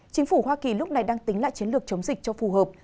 chính phủ hoa kỳ lúc này đang tính lại chiến lược chống dịch cho phù hợp